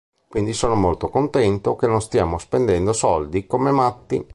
Quindi sono molto contento che non stiamo spendendo soldi come matti.